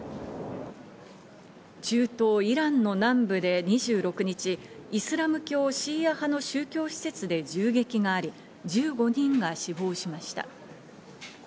中東イランの南部で２６日、イスラム教シーア派の宗教施設で銃撃があり、１５人が死亡しました。